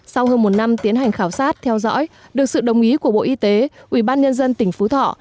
sau hơn một năm tiến hành khảo sát theo dõi được sự đồng ý của bộ y tế ủy ban nhân dân tỉnh phú thọ